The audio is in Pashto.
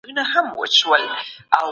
په کندهار کي د صنعت د پرمختګ لپاره څه کېږي؟